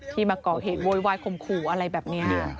ที่มาเกาะเหตุโวยวายคมครูอะไรแบบนี้